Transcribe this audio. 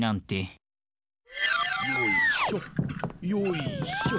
よいしょよいしょ。